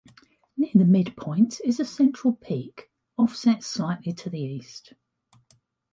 Near the midpoint is a central peak, offset slightly to the east.